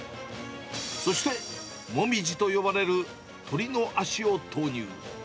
そしてモミジと呼ばれる鶏の足を投入。